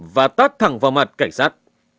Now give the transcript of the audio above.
và tắt thẳng vào mặt cảnh sát